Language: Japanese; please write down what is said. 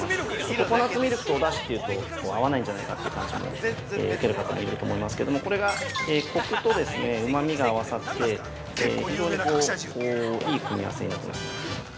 ココナッツミルクとお出汁っていうと合わないんじゃないかという感じも受ける方もいると思いますけどもこれが、コクとうまみが合わさって、非常にいい組み合わせになっています。